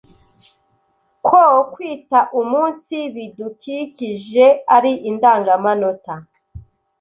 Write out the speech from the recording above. ko kwita umunsi bidukikije ari indangamanota